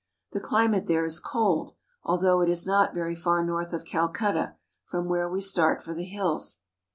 The cUmate there is cold, although it is not very far north of Calcutta, from where we start for the hills.